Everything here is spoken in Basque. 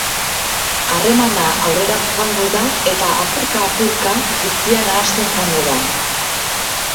Harremana aurrera joango da eta apurka-apurka guztia nahasten joango da.